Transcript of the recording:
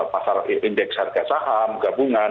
pasar indeks harga saham gabungan